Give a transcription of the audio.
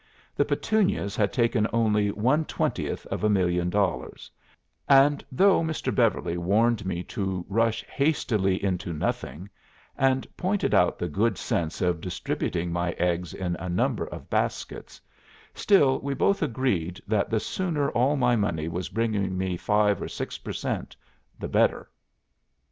The Petunias had taken only one twentieth of a million dollars; and though Mr. Beverly warned me to rush hastily into nothing, and pointed out the good sense of distributing my eggs in a number of baskets, still we both agreed that the sooner all my money was bringing me five or six per cent, the better."